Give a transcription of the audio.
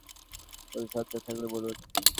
কোন সন্দেহ থাকলে বলুন।